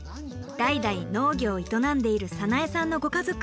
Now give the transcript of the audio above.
代々農業を営んでいる早苗さんのご家族。